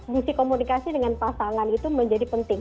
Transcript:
gisi komunikasi dengan pasangan itu menjadi penting